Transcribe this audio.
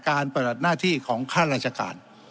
การประหลัดหน้าที่ของข้าราชการ